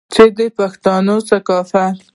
چې د پښتون ثقافت